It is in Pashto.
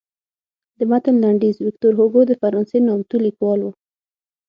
د متن لنډیز ویکتور هوګو د فرانسې نامتو لیکوال و.